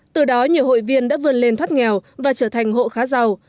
từ đó nhiều hội viên đã vươn lên thoát nghèo và trở thành hộ khá giàu